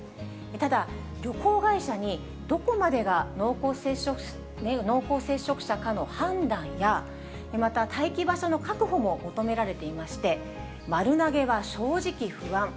ただ、旅行会社にどこまでが濃厚接触者かの判断や、また待機場所の確保も求められていまして、丸投げは正直不安。